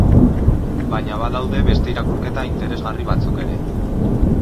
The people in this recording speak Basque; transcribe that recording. Baina badaude beste irakurketa interesgarri batzuk ere.